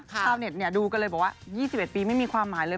ชาวเน็ตดูกันเลยบอกว่า๒๑ปีไม่มีความหมายเลย